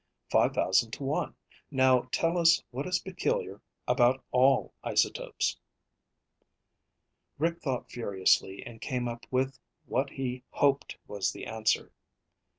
"Five thousand to one. Now tell us what is peculiar about all isotopes?" Rick thought furiously and came up with what he hoped was the answer.